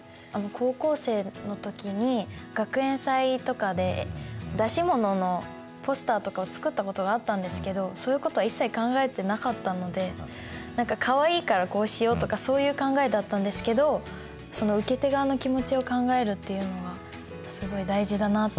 高校生の時に学園祭とかで出し物のポスターとかを作ったことがあったんですけどそういうことは一切考えてなかったので何かかわいいからこうしようとかそういう考えだったんですけど受け手側の気持ちを考えるっていうのはすごい大事だなって気付きました。